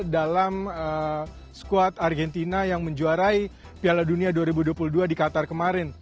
dalam squad argentina yang menjuarai piala dunia dua ribu dua puluh dua di qatar kemarin